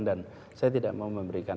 dan saya tidak mau memberikan